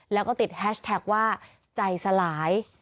แล้วก็ติดแฮชแท็กว่าใจสลาย